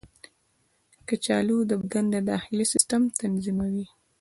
کچالو د بدن د داخلي سیسټم تنظیموي.